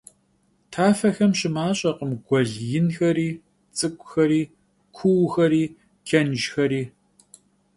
Tafexem şımaş'ekhım guel yinxeri, ts'ık'uxeri, kuuxeri, çenjjxeri.